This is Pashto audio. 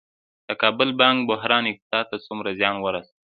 د کابل بانک بحران اقتصاد ته څومره زیان ورساوه؟